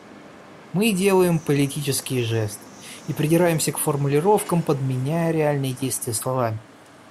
Мы делаем политические жесты и придираемся к формулировкам, подменяя реальные действия словами.